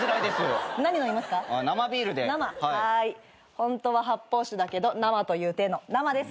ホントは発泡酒だけど生という体の生です。